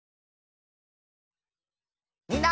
みんな！